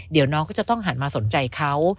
เดี๋ยวน้องก็จะต้องหันมาสนใจเขา